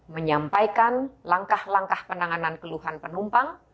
menyampaikan langkah langkah penanganan keluhan penumpang